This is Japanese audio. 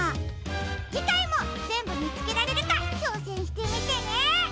じかいもぜんぶみつけられるかちょうせんしてみてね！